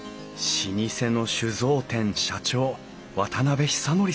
老舗の酒造店社長渡久憲さん。